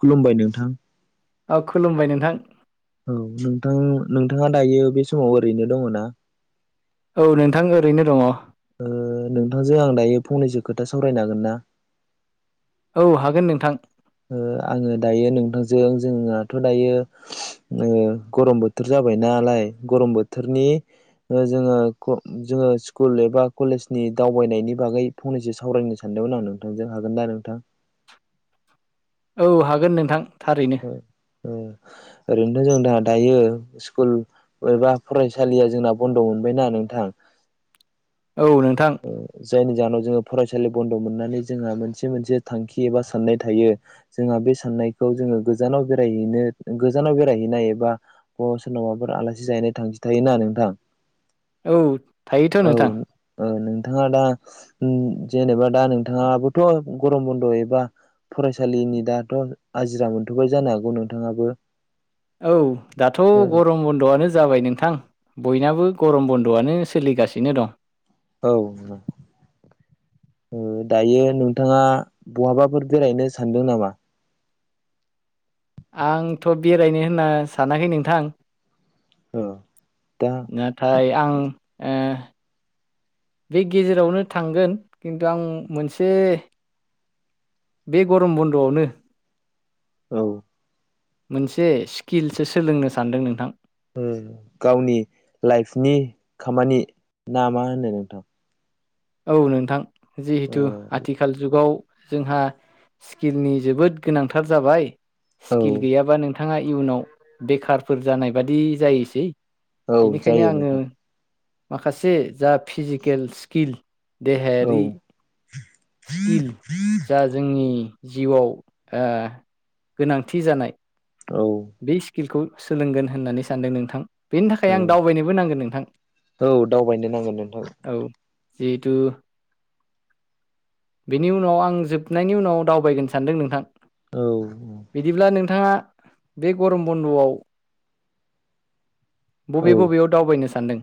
खुलुमबाय नोंथां औ खुलुमबाय नोंथां औ नोंथां नोंथाङा दायो बे समाव ओरैनो दङ ना औ नोंथां ओरैनो दङ। ओ नोंथांजों आं दायो फंनैसो खोथा सावरायनो हागोन ना? औ हागोन नोंथां। ओ आङो दायो नोंथांजों जोंनाथ' दायो ओ गरम बोथोर जाबायनालाय गरम बोथोरनि जोङो आङो स्कुल एबा कलेजनि दावबायनायनि बागै फंनैसो सावरायनो सानदोंमोन आं नोंथांजों हागोन ना नोंथां उ औ हागोन नोंथां थारैनो ओरैनोथ' जों द दायो स्कुल एबा फरायसालिया जोंना बन्द'मोन मोनबायना नोंथां औ नोंथां जायनि ज' ज जोङो फरायसालि बन्द' मोननानै जोंहा मोनसे मोनसे थांखि एबा साननाय थायो जोंहा बे साननायखौ जों गोजाव बेनो गोजानाव बेरायहैनाय एबा बा सोरनावबाफोर आलासि जाहैनो थां थायोना नोंथां औ थायोथ' औ नोंथां नोंथाङा दा जेनेबा दा नोंथाङाबोथ' गरम बन्द' एबा फरायसालिनि दाथ' आजिरा मोनथ'बाय जानो हागौ नोंथाङाबो औ दाथ' गरम बन्द'आनो जाबाय नोंथां बयनाबो बो गरम बन्द'आनो सोलिगासिनो दं औ औ दायो नोंथाङा बहाबाफोर बेरायनो सानदों नामा आंथ' बेरायनो होनना सानाखै नोंथां औ दा नाथाय आं बे गेजेरावनो थांगोन खिन्थु आं मोनसे बे गरम बन्द'आवनो औ मोनसे स्किलसो सोलोंनो सानदों नोंथां गावनि लाइफनि खामानि ना मा होनो नोंथां औ नोंथां ओ जिहेथु आथिखाल जुगाव जोंहा स्किलनि जोबोद गोनांथार जाबाय औ स्किल गैयाबा नों नोंथाङा इयुनाव बेखारफोर जानाय बादि जायोसै औ बेनिखायनो जायो आङो नोंथां माखासे जा फिजिकेल स्किल औ देहायारि स्किल जा जोंनि जिउआव गोनांथि जानाय औ बे स्किलखौ सोलोंगोन होननानै सानदों नोंथां बेनि थाखाय औ आं दावबायनोबो नांगोन नोंथां औ दावबायनो नांगोन नोंथां औ जिहेतु बेनि उनाव आं जोबनायनि उनाव दावबायगोनो सानदों नोंथां औ बिदिब्ला नोंथाङा बे गरम बन्द'आव बबे औ बबेयाव दावबायनो सानदों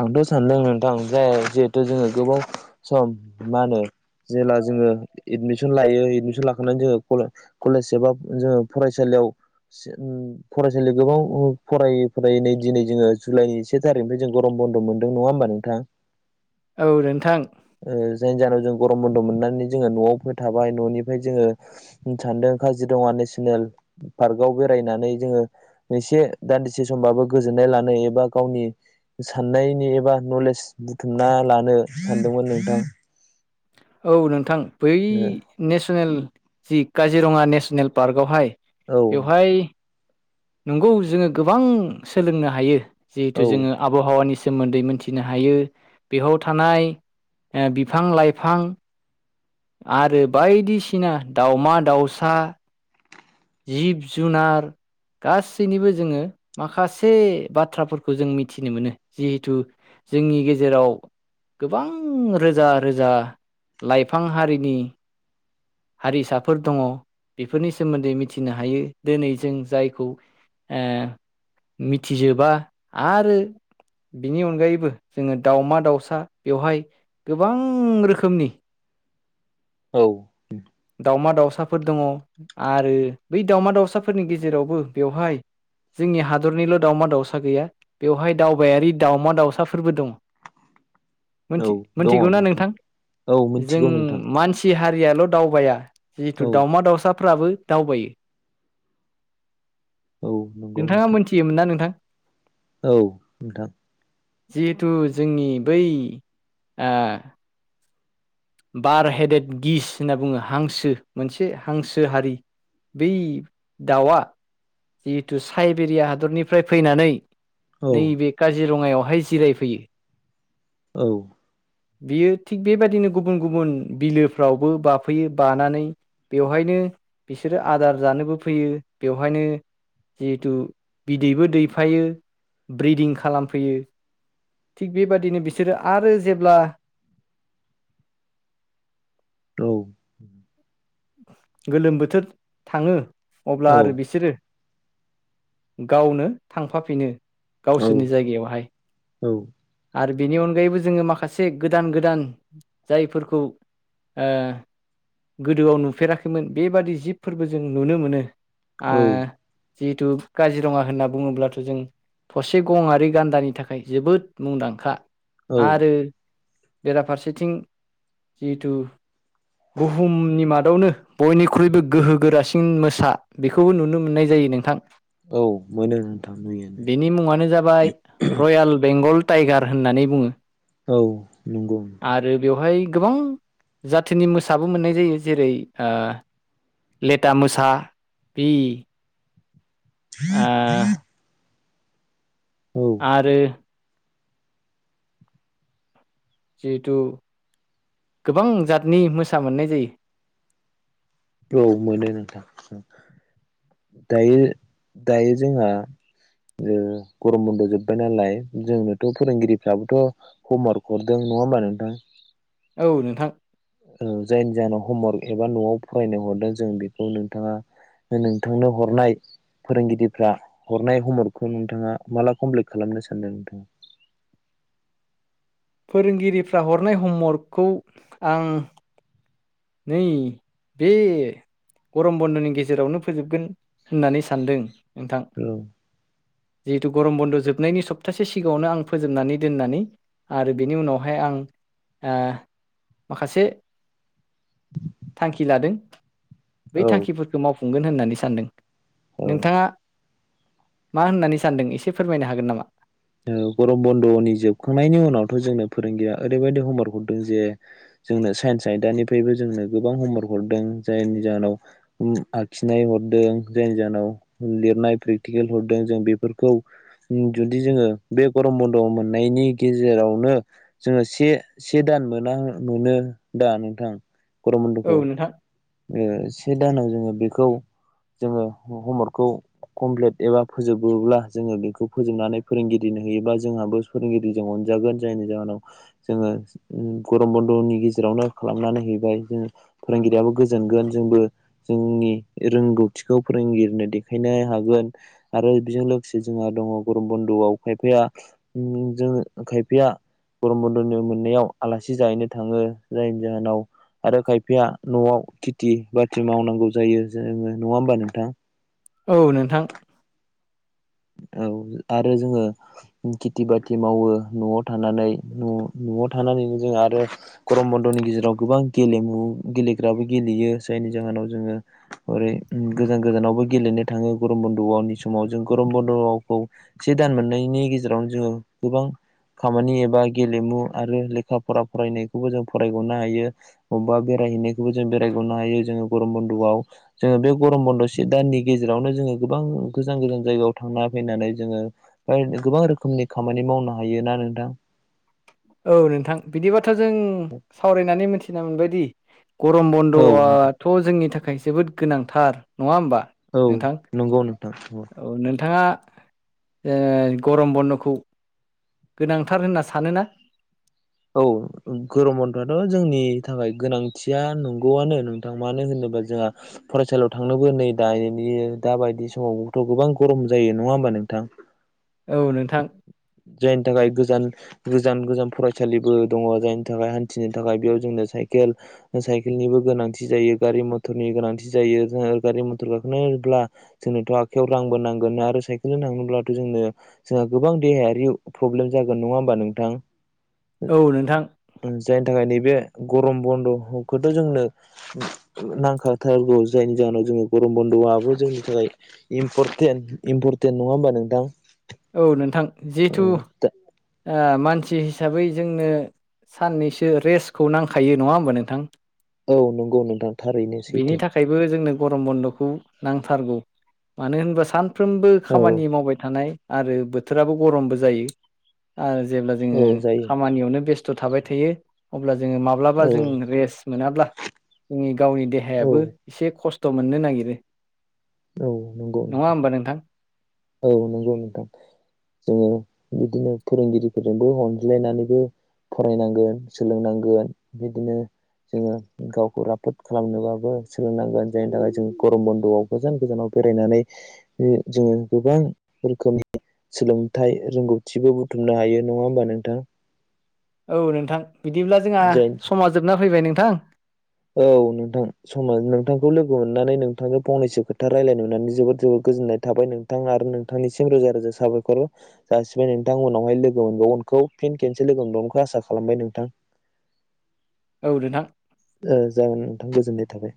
आंथ' सानदों नोंथां जाय जिहेथु जोङो गोबाव सम मा होनो जेब्ला जोङो एदमिसन लायो एदमिसन लाखनानै जोङो कलेज एबा जोङो फरायसालियाव फरायसालियाव गोबां फरायै फरायै नै दिनै जोङो जुलाइनि से थारिखनिफ्राय जों गरम बन्द' मोनदों नङा होमबा नोंथां औ नोंथां ओ जायनि जाहोनाव जों गरम बन्द' मोननानै जोङो न'आव फै थाबाय न'निफ्राय जोङो सानदों काजिरङा नेसनेल पार्कव बेरायनानै जोङो एसे दान्दिसे समबाबो गोजोननाय लानो एबा गावनि साननायनि एबा नलेज बुथुमना लानो सानदोंमोन नोंथां औ नोंथां बै नेसनेल जि काजिरङा नेसनेल पार्कआवहाय औ बेवहाय नंगौ जोङो गोबां सोलोंनो हायो औ जिहेथु जोङो आबहावानि सायाव सोमोन्दै मिथिनो हायो बेयाव थानाय बिफां लाइफां आरो बायदिसिना दाावमा दाउसा जिब जुनार गासैनिबो जोङो माखासे बाथ्राफोरखौ जों मिथिनो मोनो जिहेथु जोंनि गेजेराव गोबां रोजा रोजा लाइफां हारिनि हारिसाफोर दङ बेफोरनि सोमोन्दै मिथिनो हायो दिनै जों जायखौ ओ मिथिजोबा आरो बिनि अनगायैबो जोङो दाावमा दाउसा बेवहाय गोबां रोखोमनि औ दावमा दाउसाफोर दङ आरो बै दाावमा दाउसाफोरनि गेजेरावबो बेवहाय जोंनि हादरनिल' दावमा दाउसा गैया बेवहाय दावबायारि दावमा दाउसाफोरबो दङ [inaudible] औ दङ मोनथिगौना नोंथां औ जों मिथिगौ नोंथां मानसि हारि याल' दावबाया जेहेतु औ दावउमा दाउसाफ्राबो दावबायो औ नंगौ नोंथाङा नोंथां मोनथियोमोन ना नोंथां औ नोंथां जिहेथु जोंनि बै बार हेडेद गिस होनना बुङो हांसो मोनसे हांसो हारि बे दावा जिहेतु साइबेरिया हादरनिफ्राय फैनानै औ नैबे काझिरङा रङायावहाय जिरायफैयो औ बियो थिग बेबायदिनो गुबुन गुबुन बिलोफ्रावबो बाफैयो बानानै बेवहायनो बिसोरो आदार जानोबो फैयो बेवहायनो जिहेथु बिदैबो दैफायो ब्रिदिं खालामफैयो थिग बेबादिनो बिसोरो आरो जेब्ला औ गोलोम बोथोर थाङो अब्ला औ आरो बिसोरो गावनो थांफाफिनो औ गावसोरनि जायगायावहाय आरो बेनि अनगायैबो जोङो माखासे गोदान गोदान जायफोरखौ ओ गोदोआव नुफेराखैमोन बेबादि जिबफोरबो जों नुनो मोनो आ औ जिहेथु काजिरङा होनना बुङोब्लाथ' जों थसे गंआरि गान्दानि थाखाय जोबोद मुंदांखा औ आरो बेराफारसेथिं जिहेथु बुहुमनि मादावनो बयनिख्रुइबो गोहो गोरासिन मोसा बेखौबो नुनो मोननाय जायो नोंथां औ मोनो नोंथां नुयो बिनि मुङानो जाबाय रयेल बेंगल टाइगार होननानै बुङो औ नंगौ नोंथां आरो बेवहाय गोबां जाथिनि मोसाबो मोननाय जायो जेरै ओ लेटा मोसा ओम ए औ आरो जिहेथु गोबां जातनि मोसा मोननाय जायो औ मोनो नोंथां दायो दायो जोंहा ओ गरम बन्द' जोब्बाय नालाय जोंनोथ' फोरोंगिरिफ्राबोथ' हमवार्क हरदों नङा होमबा नोंथां औ नोंथां जायनि जाहोनाव हमवार्क एबा न'आव फरायनो हरदों जों बेखौ नोंथाङा नोंथांनो हरनाय फोरोंगिरिफ्रा हरनाय हरखौ नोंथाङा माला कमप्लिट खालामनो सानदों नोंथाङा [unintelligible] फोरोंगिरिफ्रा हरनाय हमवरकखौ आं नै बे गरम बन्द'नि गेजेरावनो फोजोबगोन होननानै सानदों नोंथां औ जिहेतु गरम बन्द' जोबनायनि सप्तासे सिगाङावनो आं फोजोबनानै दोननानै आरो बेनि उनावहाय आं आ माखासे थांखि लादों बै औ थांखिफोरखौ मावफुंगोन होननानै सानदों औ नोंथाङा मा होननानै सानदों एसे फोरमायनो हागोन नामा औ गरम बन्द'नि जोबखांनायनि उनावथ' जोंनो फोरोंगिरिया ओरैबायदि हमवरक हरदों जे जोंनो साइन्स आयदानिफ्रायबो जोंनो गोबां हमवर्क हरदों जायनि जाहोनाव ओम आखिनाय हरदों जायनि जाहोनाव लिरनाय प्रेकटिकेल हरदों जों बेफोरखौ जोङो बे गरम बन्द' मोननायनि गेजेरावनो जोङो से से दान मोना मोनो दा नोंथां औ गरमन्द'खौ नोंथां ओ से दानाव जोङो बेखौ जोङो हमवरकखौ कमप्लिट एबा फोजोबोब्ला जोङो बेखौ फोजोबनानै फोरोंगिरिनो होयोबा जोंहाबो फोरोंगिरिजों अन- जागोन जायनि जाहोनाव जोङो ओम गरम बन्द'नि गेजेरावनो खालामनानै हैबाय जों फोरोंगिरियाबो गो- जोनगोन जोंबो जोंनि रोंगौथिखौ फोरोंगिरिनो देखायनो हागोन आरो बेजों लोगोसे जोंहा दङ गरम बन्दआव खायफाया ओम जों खायफाया गरम बन्दनो मोननायाव आलासि जाहैनो थाङो जायनि जाहोनाव आरो खायफाया न'आव खेथि बाथि मावनांगौ जायो जोङो नङा होमबा नोंथां औ नोंथां औ आरो जोङो खेथि बाथि मावो न'आव थानानै न' न'आव थानानैनो जों आरो गरम बन्द'नि गेजेराव गोबां गेलेमु गेलेग्राबो गेलेयो जायनि जाहोनाव जोङो ओरै गोजान गोजानावबो गेलेनो थाङो गरम बन्द'नि समाव जों गरम बन्द'खौ से दान मोननायनि गेजेरावनो जोङो गोबां खामानि एबा गेलेमु आरो लेखा फरा फरायनायखौबो जों फरायगावनो हायो अबबा बे बेरायहैनायखौबो जों बेरायगरनो हायो जोङो गरम बन्द'आव जोङो बे गरम बन्द' से दाननि गेजेरावनो जोङो गोबां गोजान गोजान जायगायाव थांना फैनानै जोङो गोबां रोखोमनि खामानि मावनो हायो ना नोंथां औ नोंथां बिदिबाथ' जों सावरायनानै मिथिना मोनबायदि गरम औ नोंथां बन्द'आथ' जोंनि थाखाय जोबोद गोनांथार नङा होमबा औ नोंथां नंगौनो औ नोंथाङा ओ गरम बन्द'खौ गोनांथार होनना सानोना औ गरम बन्दआथ' जोंनि थाखाय गोनांथिया नंगौआनो नोंथां मानो होनो बा जोंहा फरायसालियाव थांनोबो नै दानि दा बायदि समावथ' गोबां गरम जायो नङा होमा बा नोंथां औ नोंथां जत [unintelligible] थाखाय गोजान गोजान गोजान फरायसालिबो दङ जायनि थाखाय हान्थिनो थाखाय बेयाव जोंनो साइकेल साइकेलनिबो गोनांथि जायो गारि मथरनि गोनांथि जायो जोंहा गारि मथर गाखोनोब्ला जोंनोथ' आखायाव रांबो नांगोन आरो साइकेलजों थांनोब्लाथ' जोंनो जोंहा गोबां देहायारि प्रब्लेम जागोन नङा होमबा नोंथां औ नोंथां ओ जायनि थाखाय नैबे गरम बन्द' ह खौथ' जोंनो नांखाथारगौ जायनि जाहोनाव जोङो गरम ब बन्द'बो जोंनि थाखाय इम्परटेन्ट इम्परटेन्ट नङा होमबा नोंथां औ नोंथां जिहथु ओ मानसि हिसाबै जोंनो साननैसो रेस्टखौ नांखायो नङा होमबा नोंथां औ नंगौ नोंथां थारैनो बेनि सैथो थाखायबो जोंनो गरम बन्द'खौ नांथारगौ मानो होनोबा सानफ्रोमबो औ खामानि मावबाय थानाय आरो बोथोराबो गरमबो जायो आरो जेब्ला औ जोङो जायो खामानियावनो बेस- थ' थाबाय थायो अब्ला जोङो माब्लाबा औ जों रेस्ट मोनाब्ला जोंनि गावनि औ देहायाबो एसे खस्थ' मोननो नागिरो औ नंगौ नङा नोंथां होमबा औ नंगौ नोंथां जोङो बिदिनो फोरोंगिरिफोरजोंबो अनज्लायनानैबो फरायनांगोन सोलोंनांगोन बिदिनो जोङो गावखौ राफोद खालामनोबाबो सोलोंनांगोन जायनि थाखाय जों गरम बन्द'आव गोजान गोजानाव बेरायनानै जोङो गोबां रोखोमनि सोलोंथाइ रों- गौथिबो बुथुमनो हायो नङा होमबा नोंथां औ नोंथां बिदिब्ला जोंहा जायनि समा जोबना फैबाय नोंथां औ नोंथां समा नोंथांखौ लोगो मोननानै नोंथांजों फंनैसो खोथा रायलायनो मोननानै जोबोद जोबोद गोजोननाय थाबाय नोंथां आरो नोंथांनिसिम रोजा रोजा साबायखर जासिबाय नोंथां उनावहाय लोगो मोनबावगोन खौ फिन केनसे लोगो मोनबावगोनखौ आसा खालामबाय नोंथां औ नोंथां ओ जागोन नोंथां गोजोननाय थाबाय